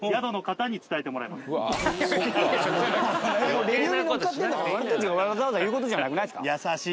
もうレビューに載っかってんだから俺たちがわざわざ言う事じゃなくないですか？